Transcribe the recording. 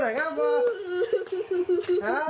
ขึ้นใกล้ว่าไปไหนอ่ะพ่อ